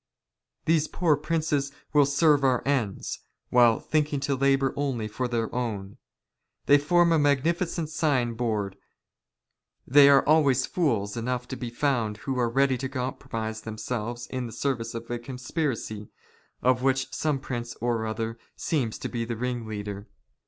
These poor princes will serve our ends, while " thinking to labour only for their own. They form a magnificent " sign board, and there are always fools enough to be found, who ' ^are ready to compromise themselves in the service of a " conspiracy, of which some prince or other seems to be the " ringleader.